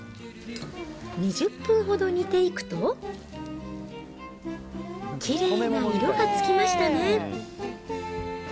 ２０分ほど煮ていくと、きれいな色がつきましたね。